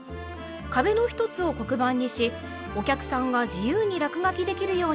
壁の一つを黒板にしお客さんが自由に落書きできるようにしました。